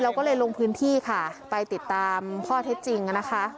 เราก็เลยลงพื้นที่ค่ะไปติดตามข้อเท็จจริงนะคะ